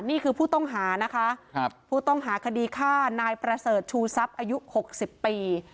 นี่คือผู้ต้องหานะคะผู้ต้องหาคดีฆ่านายประเสริฐชูทรัพย์อายุ๖๐ปี